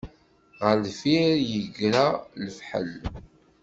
Ɣer deffir yegra lefḥel.